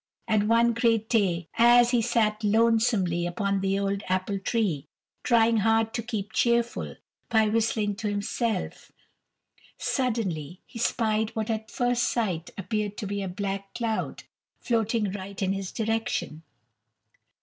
And one great day as he sat lonesomely upon the old apple tree trying hard to keep cheerful by whistling to himself, suddenly he spied what at first sight appeared to be a black cloud floating right in his direction.